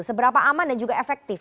seberapa aman dan juga efektif